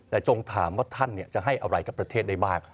แต่จงถามว่าท่านจะให้อะไรกับประเทศได้บ้าง